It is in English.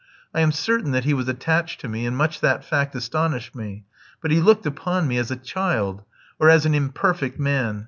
I am certain that he was attached to me, and much that fact astonished me; but he looked upon me as a child, or as an imperfect man.